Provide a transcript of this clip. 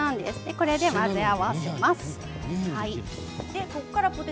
これを混ぜ合わせます。